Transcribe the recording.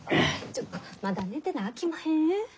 ちょっとまだ寝てなあきまへんえ。